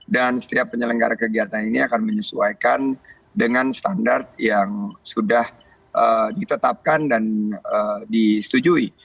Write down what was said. setiap penyelenggara kegiatan ini akan menyesuaikan dengan standar yang sudah ditetapkan dan disetujui